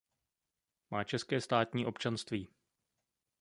Má české státní občanství.